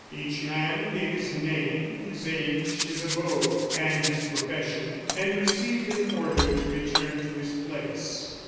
Each man gave his name, his age, his abode, and his profession, and received an order to return to his place.